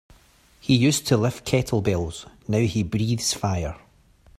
He used to lift kettlebells now he breathes fire.